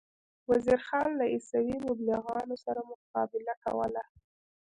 وزیر خان له عیسوي مبلغانو سره مقابله کوله.